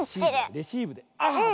レシーブであっ！